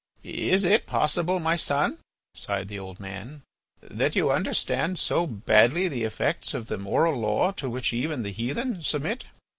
"Is it possible, my son," sighed the old man, "that you understand so badly the effects of the moral law to which even the heathen submit?"